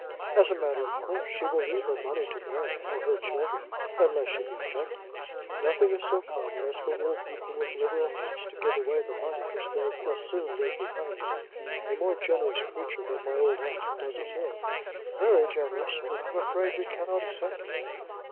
As a matter of course, she will leave her money to Mary or her children, unless she be offended. Nothing is so common as for old people with liberal hearts to give away the money which they must soon leave behind them. A more generous creature than my old aunt doesn't live." "Very generous; but I am afraid we cannot accept it."